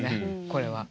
これは。